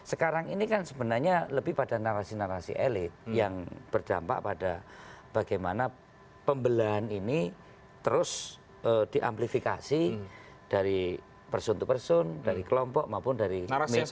sekarang ini kan sebenarnya lebih pada narasi narasi elit yang berdampak pada bagaimana pembelahan ini terus diamplifikasi dari person to person dari kelompok maupun dari media sosial